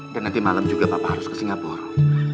dan nanti malam juga papa harus ke singapura